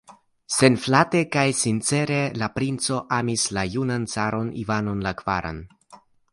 Senflate kaj sincere la princo amis la junan caron Ivanon la kvaran.